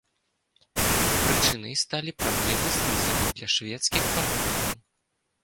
Прычынай сталі праблемы з візамі для шведскіх партнёраў.